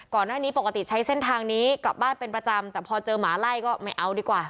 ก่อนหน้านี้ปกติใช้เส้นทางนี้กลับบ้านเป็นประจำแต่พอเจอหมาไล่ก็ไม่เอาดีกว่า